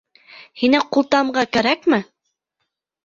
Һиңә ҡултамға кәрәкме?